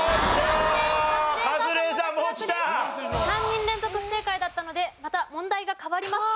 ３人連続不正解だったのでまた問題が変わります。